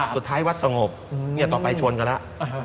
สุดท้ายวัดสงบเงียบต่อไปชนกันแล้ว